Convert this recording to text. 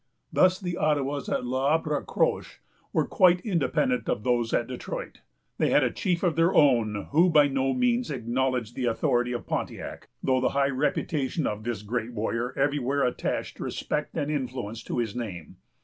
Thus the Ottawas at L'Arbre Croche were quite independent of those at Detroit. They had a chief of their own, who by no means acknowledged the authority of Pontiac, though the high reputation of this great warrior everywhere attached respect and influence to his name.